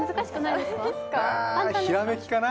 ひらめきかな？